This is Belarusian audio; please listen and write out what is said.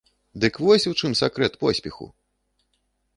Дык вось у чым сакрэт поспеху!